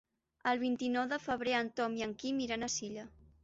El vint-i-nou de febrer en Tom i en Quim iran a Silla.